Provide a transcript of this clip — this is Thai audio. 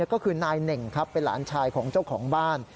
ก็คือนายเหน่งครับเป็นหลานชายของเจ้าของบ้าน